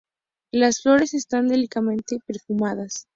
Las flores están delicadamente perfumadas.